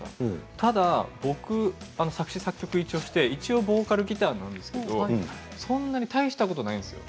ただ僕、作詞・作曲、一応してボーカル、ギターなんですけどそんなに大したことないんです。